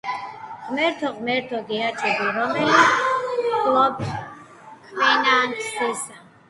ღმერთო, ღმერთო, გეაჯები, რომელი ჰფლობ ქვენათ ზესა